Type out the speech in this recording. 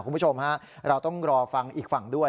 คุณผู้ชมฮะเราต้องรอฟังอีกฝั่งด้วย